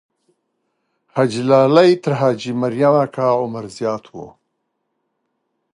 حاجي لالی تر حاجي مریم اکا عمر زیات وو.